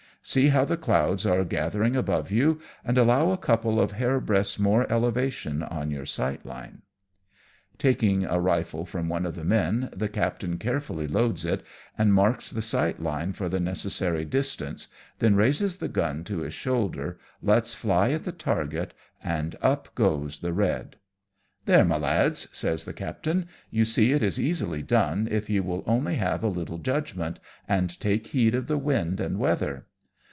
See how the clouds are gathering above you, and allow a couple of hairbreadths' more elevation on your sight line." Taking a rifle from one of the men, the captain carefully loads it, and marks the sight line for the necessary distance, then raising the gun to his shoulder, lets fly at the target, and up goes the red. DRILLING THE CREW. ji " There, ray lads/' says the captain, " you see it is easily done if you will only have a little judgment, and take heed of the wind and weather."